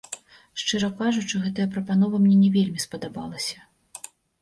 Шчыра кажучы, гэтая прапанова мне не вельмі спадабалася.